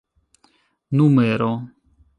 numero